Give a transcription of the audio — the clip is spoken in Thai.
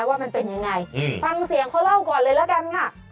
ว่ามันเป็นยังไงฟังเสียงเขาเล่าก่อนเลยละกันค่ะ